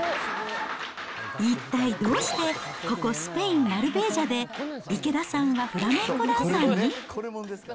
一体どうして、ここスペイン・マルベージャで池田さんはフラメンコダンサーに？